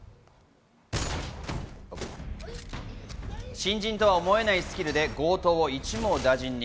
新人とは思えないスキルで強盗を一網打尽に。